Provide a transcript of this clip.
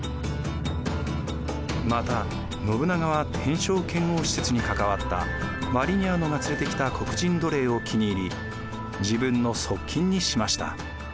また信長は天正遣欧使節に関わったヴァリニャーノが連れてきた黒人奴隷を気に入り自分の側近にしました。